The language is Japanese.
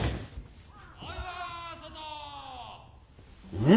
うん？